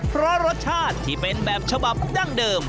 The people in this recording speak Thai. เพราะรสชาติที่เป็นแบบฉบับดั้งเดิม